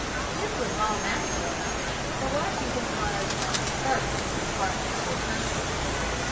This was all natural enough, for Washington was "first in the hearts of his countrymen."